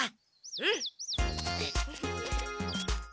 うん！